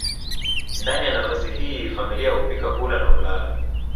Ndani ya nafasi hii familia hupika hula na hulala